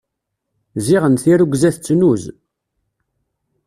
Ziɣen tirrugza tettnuz.